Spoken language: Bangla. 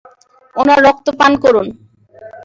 উনার রক্ত পান করুন!